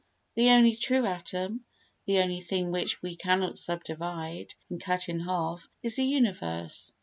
The only true atom, the only thing which we cannot subdivide and cut in half, is the universe.